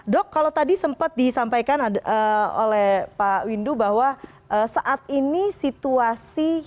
dok kalau tadi sempat disampaikan oleh pak windu bahwa saat ini situasi